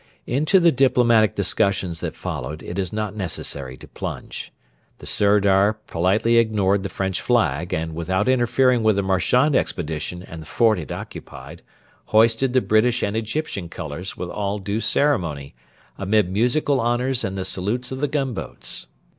Into the diplomatic discussions that followed, it is not necessary to plunge. The Sirdar politely ignored the French flag, and, without interfering with the Marchand Expedition and the fort it occupied, hoisted the British and Egyptian colours with all due ceremony, amid musical honours and the salutes of the gunboats.